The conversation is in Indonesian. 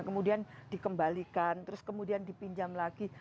kemudian dikembalikan terus kemudian dipinjam lagi